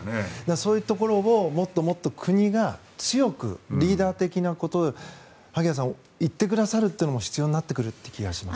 そういうところをもっともっと国が強くリーダー的なことを萩谷さん、言ってくださるのも必要になってくる気がします。